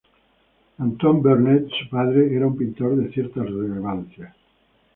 Antoine Vernet, su padre, era un pintor de cierta relevancia.